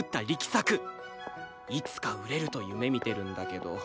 いつか売れると夢見てるんだけど